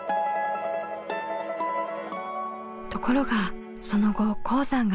ところがその後鉱山が閉鎖。